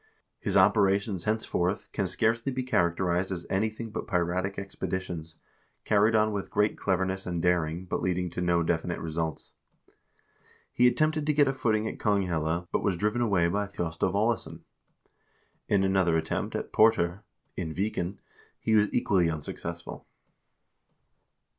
His operations henceforth can scarcely be characterized as anything but piratic expeditions, carried on with great cleverness and daring, but leading to no definite results. He attempted to get a footing at Konghelle, but was driven away by Thjostolv Aalesson. In another attempt at Port0r, in Viken, he was equally unsuccessful.